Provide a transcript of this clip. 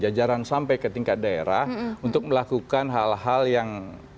jajaran sampai ke tingkat daerah untuk melakukan hal hal yang